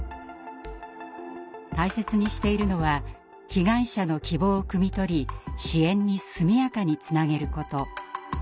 大切にしているのは被害者の希望をくみ取り支援に速やかにつなげること。